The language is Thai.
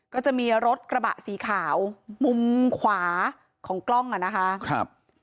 ก็จะมีรถกระบะสีขาวมุมขวาของกล้องอ่ะนะคะครับ